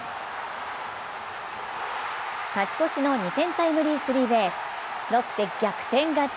勝ち越しの２点タイムリースリーベース、ロッテ逆転勝ち。